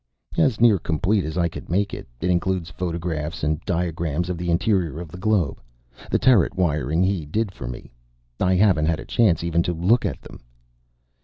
"As near complete as I could make it. It includes photographs and diagrams of the interior of the globe. The turret wiring he did for me. I haven't had a chance even to look at them."